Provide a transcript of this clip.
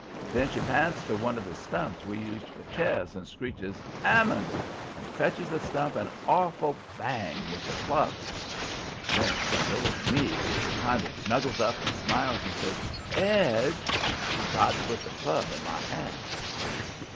Then she p'ints to one of the stumps we used for chairs and screeches 'AMMOND!' and fetches the stump an awful bang with the club. Then she comes over to me and kinder snuggles up and smiles, and says, ''Edge,' and tried to put the club in my hand.